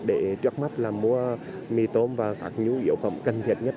để trước mắt là mua mì tôm và các nhu yếu phẩm cần thiết nhất